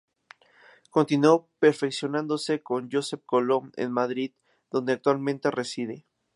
Continuó perfeccionándose con Josep Colom en Madrid, donde actualmente reside.